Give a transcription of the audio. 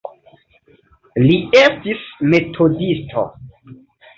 Li estis metodisto.